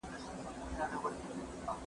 مشرانو به د انسان د ژوند حق خوندي کړی وي.